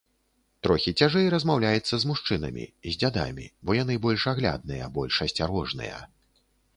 Трохі цяжэй размаўляецца з мужчынамі, з дзядамі, бо яны больш аглядныя, больш асцярожныя.